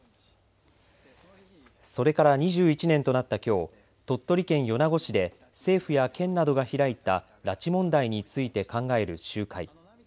それから２１年となったきょう鳥取県米子市で政府や県などが開いた拉致問題について考える集会。